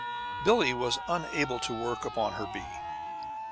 Billie was unable to work upon her bee.